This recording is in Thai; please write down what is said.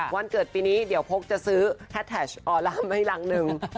วันเกิดปีนี้เดี๋ยวพกจะซื้อแฮดแท็กออร่ามให้รังหนึ่ง